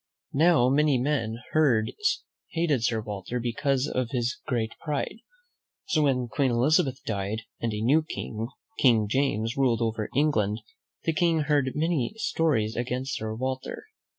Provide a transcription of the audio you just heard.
Now, many men hated Sir Walter because of his great pride; so, when Queen Elizabeth died, and a new King, King James, ruled over Eng land, the King heard many stories against Sir Walter.